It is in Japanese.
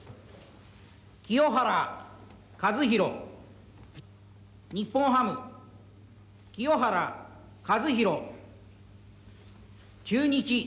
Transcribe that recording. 清原和博日本ハム清原和博中日